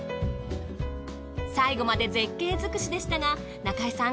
最後まで絶景づくしでしたが中井さん